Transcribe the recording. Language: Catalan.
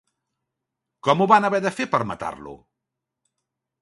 Com ho van haver de fer per matar-lo?